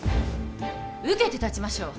受けて立ちましょう！